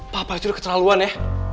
papa itu keterlaluan ya